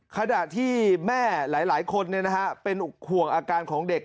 ขณะที่แม่หลายคนเป็นห่วงอาการของเด็ก